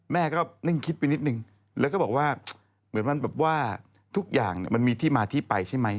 แม่ก็นิ่งคิดไปนิดนึงแล้วก็บอกว่าเหมือนมันแบบว่าทุกอย่างมันมีที่มาที่ไปใช่ไหม